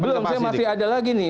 belum saya masih ada lagi nih